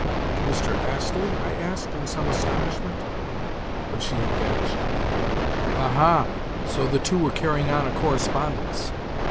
"To Mr. Astley?" I asked, in some astonishment. But she had vanished again. Aha! So the two were carrying on a correspondence!